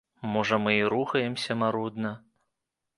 Можа, мы і рухаемся марудна?